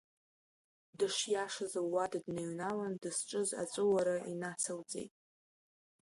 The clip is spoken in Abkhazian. Дышиашаз луада дныҩналан, дызҿыз аҵәуара инацылҵеит.